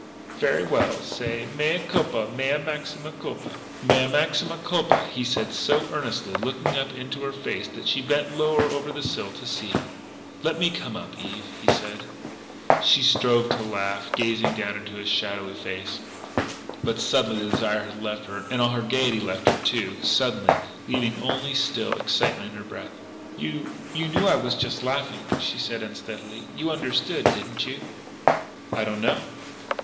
"Very well. Say 'Mea culpa, mea maxima culpa.'" "Mea maxima culpa," he said so earnestly, looking up into her face that she bent lower over the sill to see him. "Let me come up, Eve," he said. She strove to laugh, gazing down into his shadowy face but suddenly the desire had left her, and all her gaiety left her, too, suddenly, leaving only a still excitement in her breast. "You you knew I was just laughing," she said unsteadily. "You understood, didn't you?" "I don't know."